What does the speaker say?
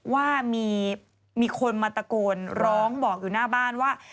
ว่ามีคนมาตะโกนร้องบอกอยู่หน้าบ้านว่า